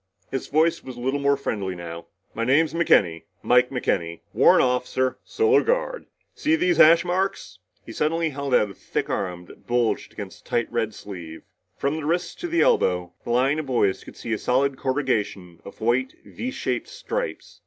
His voice was a little more friendly now. "My name's McKenny Mike McKenny. Warrant Officer Solar Guard. See these hash marks?" He suddenly held out a thick arm that bulged against the tight red sleeve. From the wrists to the elbow, the lines of boys could see a solid corrugation of white V shaped stripes.